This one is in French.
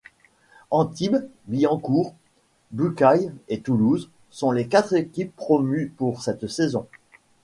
Antibes, Billancourt, Bucaille et Toulouse sont les quatre équipes promues pour cette saison.